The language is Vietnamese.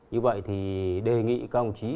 như vậy thì đề nghị các ông chí